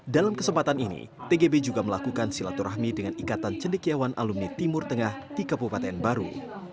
dalam kesempatan ini tgb juga melakukan silaturahmi dengan ikatan cendekiawan alumni timur tengah di kabupaten baru